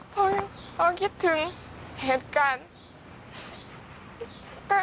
เพราะคิดถึงเหตุการณ์